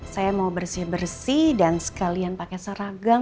saya mau bersih bersih dan sekalian pakai seragam